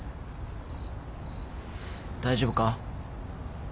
大丈夫か？